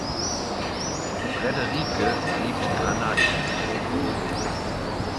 Frederike liebt Granatäpfel.